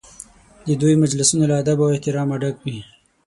د دوی مجلسونه له ادب او احترامه ډک وي.